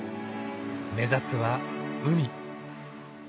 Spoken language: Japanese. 目指すは海。